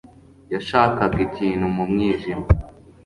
Yashakaga ikintu mu mwijima.